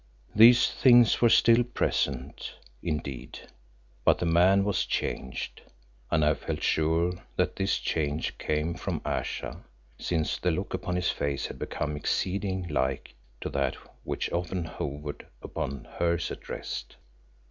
These things were still present indeed, but the man was changed, and I felt sure that this change came from Ayesha, since the look upon his face had become exceeding like to that which often hovered upon hers at rest.